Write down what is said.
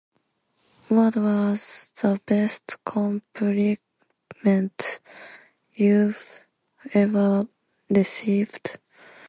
What was the best compliment you've ever received?